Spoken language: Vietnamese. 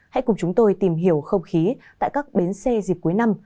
hãy cùng chúng tôi tìm hiểu không khí tại các bến xe dịp cuối năm